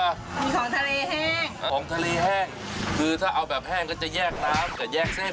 มีของทะเลแห้งของทะเลแห้งคือถ้าเอาแบบแห้งก็จะแยกน้ำกับแยกเส้น